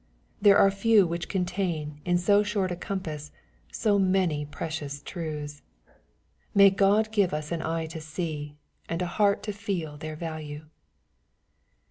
There are few which contain^ in so short a compass, so many precious truths. May God give us an eye to see, and a heart to feel their value